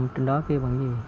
trên đó kêu bằng cái gì